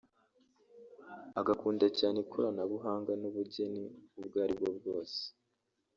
agakunda cyane ikoranabuhanga n’ubugeni ubwo aribwo bwose